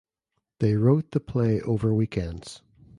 They wrote the play over weekends.